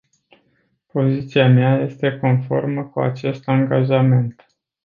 Poziția mea este conformă cu acest angajament.